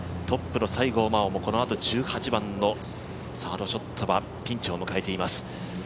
トップの西郷真央もこのあと１８番のサードショットはピンチを迎えています。